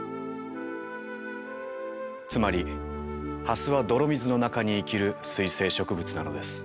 つまりハスは泥水の中に生きる水生植物なのです。